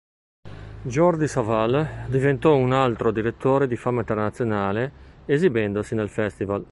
Jordi Savall diventò un altro direttore di fama internazionale esibendosi nel festival.